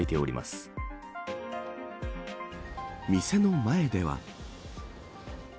店の前では。